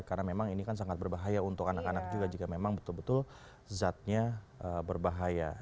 karena memang ini kan sangat berbahaya untuk anak anak juga jika memang betul betul zatnya berbahaya